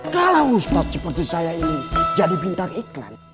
kalau ustadz seperti saya ini jadi bintang iklan